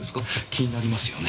気になりますよね？